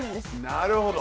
なるほど！